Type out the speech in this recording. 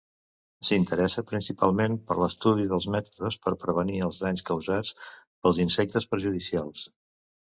S'interessa principalment per l'estudi dels mètodes per prevenir els danys causats pels insectes perjudicials.